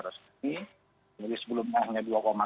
resmi jadi sebelumnya hanya